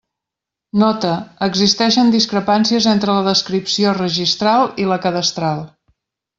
Nota: existeixen discrepàncies entre la descripció registral i la cadastral.